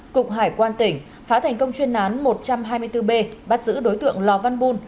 cục hải quan tỉnh phá thành công chuyên nán một trăm hai mươi bốn b bắt giữ đối tượng lò văn bùn